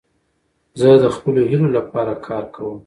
زه د خپلو هیلو له پاره کار کوم.